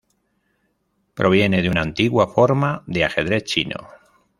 Proviene de una antigua forma de ajedrez chino.